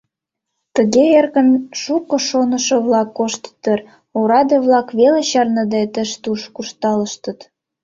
Тыге эркын шуко шонышо-влак коштыт дыр, ораде-влак веле чарныде тыш-туш куржталыштыт.